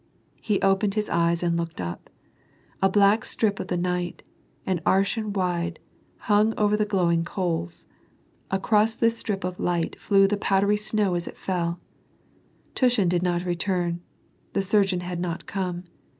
He opened his eyes and looked up. A black strip of the night, an arshin wide, hung over the glowing coals. Across this strip of light flew the powdery snow as it fell. Tushin did not return ; the surgeon had not come.